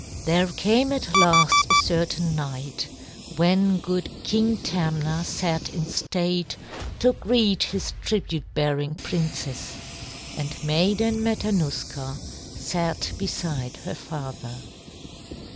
There came at last a certain night when good King Tamna sat in state to greet his tribute bearing princes, and Maiden Matanuska sat beside her father.